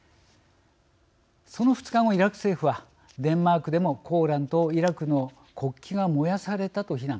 その２日後、イラク政府はデンマークでもコーランとイラクの国旗が燃やされたと非難。